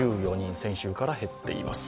先週から減っています。